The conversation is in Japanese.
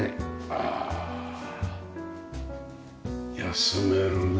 ああ休めるね。